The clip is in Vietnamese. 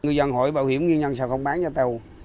ngư dân hỏi bảo hiểm nghiên nhân sao không bán cho tàu